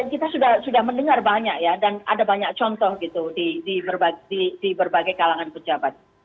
kita sudah mendengar banyak ya dan ada banyak contoh gitu di berbagai kalangan pejabat